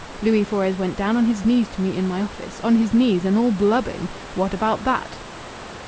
Louis Fores went down on his knees to me in my office. On his knees, and all blubbing. What about that?"